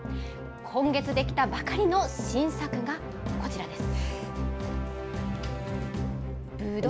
今月できたばかりの新作がこちらです。